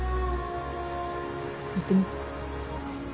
言ってみ。